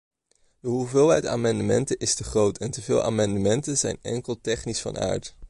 De hoeveelheid amendementen is te groot en teveel amendementen zijn enkel technisch van aard.